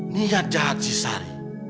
niat jahat si sari